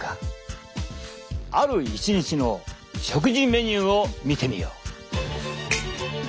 ある一日の食事メニューを見てみよう！